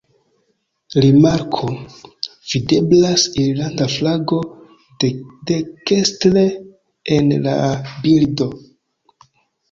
Rimarko: Videblas irlanda flago dekstre en la bildo.